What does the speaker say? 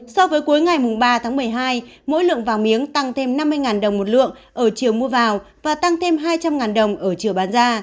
so với cuối ngày ba tháng một mươi hai mỗi lượng vàng miếng tăng thêm năm mươi đồng một lượng ở chiều mua vào và tăng thêm hai trăm linh đồng ở chiều bán ra